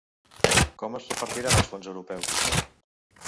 Com es repartiran els fons europeus?